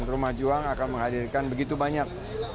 rumah juang akan menghadirkan begitu banyak